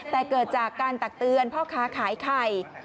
แต่เกิดจากการตักเตือนพ่อค้าขายไข่